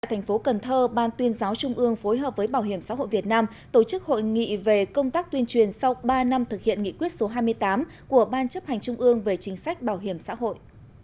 tại thành phố cần thơ ban tuyên giáo trung ương phối hợp với bảo hiểm xã hội việt nam tổ chức hội nghị về công tác tuyên truyền sau ba năm thực hiện nghị quyết số hai mươi tám của ban chấp hành trung ương về chính sách bảo hiểm xã hội